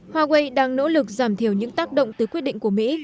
huawei đang nỗ lực giảm thiểu những tác động từ quyết định của mỹ